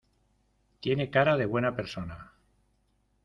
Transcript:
Tiene cara de buena persona.